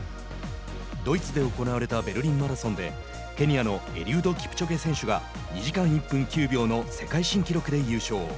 ドイツで行われたベルリンマラソンでケニアのエリウド・キプチョゲ選手が２時間１分９秒の世界新記録で優勝。